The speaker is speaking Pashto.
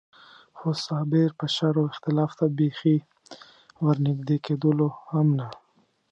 خو صابر به شر او اختلاف ته بېخي ور نږدې کېدلو هم نه.